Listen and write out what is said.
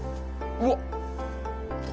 うわっ